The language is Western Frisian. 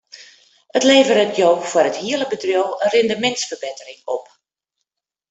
It leveret jo foar it hiele bedriuw in rindemintsferbettering op.